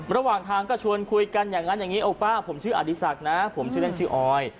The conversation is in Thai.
ระหว่างทางก็ชวนคุยกันอย่างนั้นอย่างนี้โอป้าผมชื่ออดีศักดิ์นะผมชื่อเล่นชื่อออย